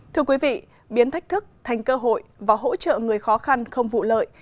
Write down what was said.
thưa quý vị biến thách thức thành cơ hội và hỗ trợ người khó khăn không vụ lợi